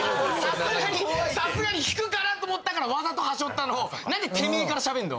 さすがに引くからと思ったからわざと端折ったのをなんでてめえからしゃべんだ。